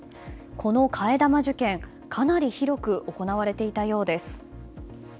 この替え玉受験かなり広く行われていたようです。